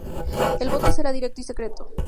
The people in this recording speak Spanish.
El voto será directo y secreto.